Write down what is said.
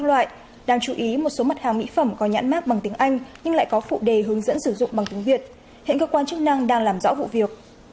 hãy đăng ký kênh để ủng hộ kênh của chúng mình nhé